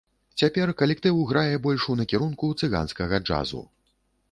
Цяпер калектыў грае больш у накірунку цыганскага джазу.